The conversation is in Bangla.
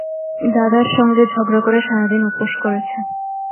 দাদার সঙ্গে ঝগড়া করে সারাদিন উপোস করেছে।